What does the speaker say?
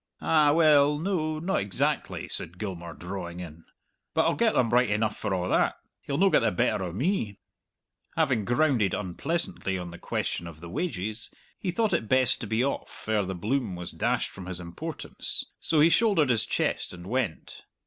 "Ah, well, no not exactly," said Gilmour, drawing in. "But I'll get them right enough for a' that. He'll no get the better o' me." Having grounded unpleasantly on the question of the wages, he thought it best to be off ere the bloom was dashed from his importance, so he shouldered his chest and went.